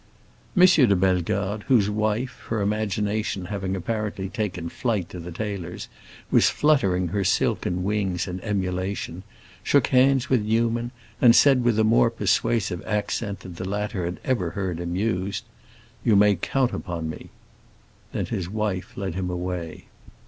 M. de Bellegarde, whose wife, her imagination having apparently taken flight to the tailor's, was fluttering her silken wings in emulation, shook hands with Newman, and said with a more persuasive accent than the latter had ever heard him use, "You may count upon me." Then his wife led him away.